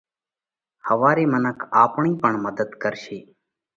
ۿوَاري منک آپڻئِي پڻ مڌت ڪرشي۔